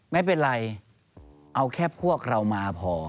ไม่เป็นไรเอาแค่พวกเรามาพอ